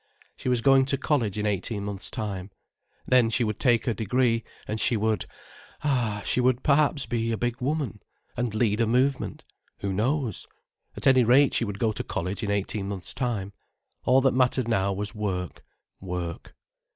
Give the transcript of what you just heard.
She was going to college in eighteen months' time. Then she would take her degree, and she would—ah, she would perhaps be a big woman, and lead a movement. Who knows?—At any rate she would go to college in eighteen months' time. All that mattered now was work, work.